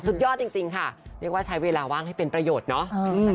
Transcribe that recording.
สุดยอดจริงค่ะเรียกว่าใช้เวลาว่างให้เป็นประโยชน์เนาะ